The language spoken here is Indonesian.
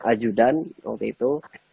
ajudan waktu itu